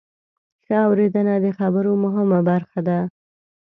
ښه اورېدنه د خبرو مهمه برخه ده.